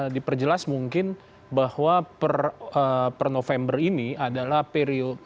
diperjelas mungkin bahwa per november ini adalah periode